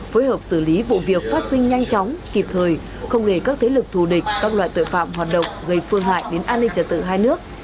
phối hợp xử lý vụ việc phát sinh nhanh chóng kịp thời không để các thế lực thù địch các loại tội phạm hoạt động gây phương hại đến an ninh trả tự hai nước